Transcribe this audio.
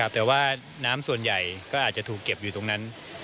แต่ว่าน้ำส่วนใหญ่ก็อาจจะถูกเก็บอยู่ตรงนั้น